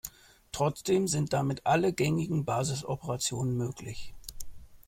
Trotzdem sind damit alle gängigen Basisoperationen möglich.